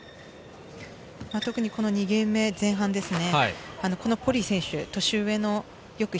特に２ゲーム目、前半ですね。